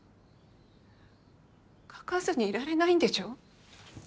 描かずにいられないんでしょ？